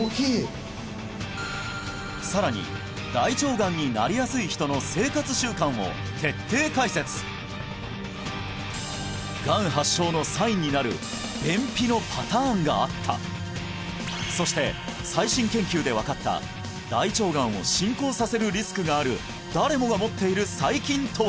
さらに大腸がんになりやすい人の生活習慣を徹底解説がん発症のサインになる便秘のパターンがあったそして最新研究で分かった大腸がんを進行させるリスクがある誰もが持っている細菌とは？